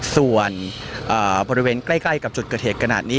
ส่วนบริเวณใกล้กับจุดเกิดเหตุขนาดนี้